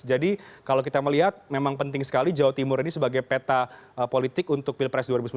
jadi kalau kita melihat memang penting sekali jawa timur ini sebagai peta politik untuk pilpres dua ribu sembilan belas